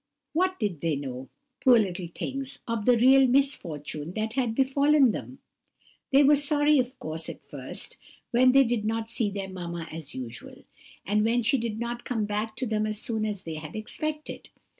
What did they know,—poor little things,—of the real misfortune which had befallen them! They were sorry, of course, at first, when they did not see their mamma as usual, and when she did not come back to them as soon as they expected.